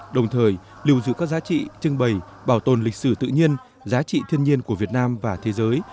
đồng thời lưu giữ các giá trị trưng bày bảo tồn lịch sử tự nhiên giá trị thiên nhiên của việt nam và thế giới